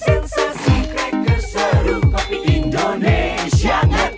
sensasi cracker seru kopi indonesia ngetrek